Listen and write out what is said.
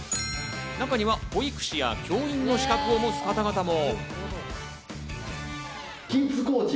中には保育士や教員の資格を持つ方々も。